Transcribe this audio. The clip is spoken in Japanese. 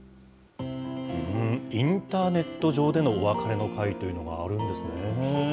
インターネット上でのお別れの会というのがあるんですね。